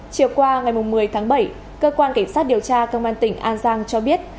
chiều qua ngày một mươi tháng bảy cơ quan cảnh sát điều tra công an tỉnh an giang cho biết